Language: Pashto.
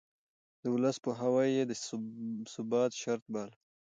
د ولس پوهاوی يې د ثبات شرط باله.